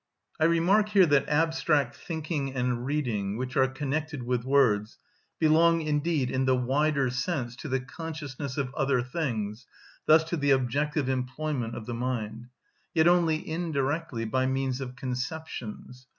I remark here that abstract thinking and reading, which are connected with words, belong indeed in the wider sense to the consciousness of other things, thus to the objective employment of the mind; yet only indirectly, by means of conceptions.